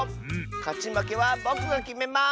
かちまけはぼくがきめます！